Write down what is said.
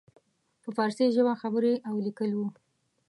په فارسي ژبه خبرې او لیکل وو.